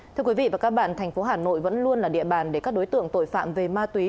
thưa quý vị và các bạn thành phố hà nội vẫn luôn là địa bàn để các đối tượng tội phạm về ma túy